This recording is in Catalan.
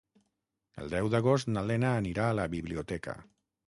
El deu d'agost na Lena anirà a la biblioteca.